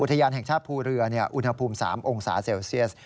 ทะยานแห่งชาติภูเรืออุณหภูมิ๓องศาเซลเซียส